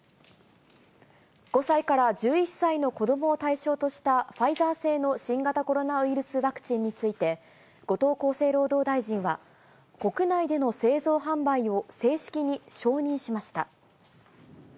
５歳から１１歳の子どもを対象とした、ファイザー製の新型コロナウイルスワクチンについて、後藤厚生労働大臣は、国内での製造・販売を正式に承認しました。